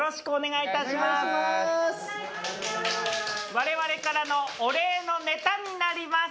われわれからのお礼のネタになります。